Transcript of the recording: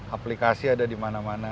aplikasi ada dimana mana